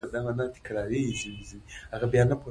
کلي د طبعي سیسټم توازن په پوره ډول ساتي.